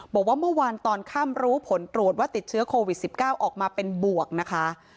บอกว่าเมื่อวานตอนค่ำรู้ผลตรวจว่าติดเชื้อโควิด๑๙ออกมาเป็นบวกนะคะ